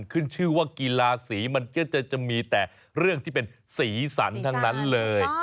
ขึ้นชื่อว่ากีฬาสีมันก็จะมีแต่เรื่องที่เป็นสีสันทั้งนั้นเลย